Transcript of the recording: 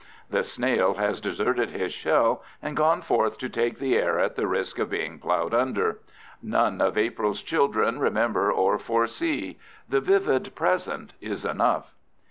The snail has deserted his shell and gone forth to take the air at the risk of being plowed under. None of April's children remember or foresee. The vivid present is enough.